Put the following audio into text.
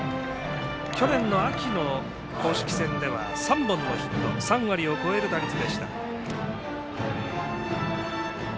去年の秋の公式戦では３本のヒット、３割を超える打率でした。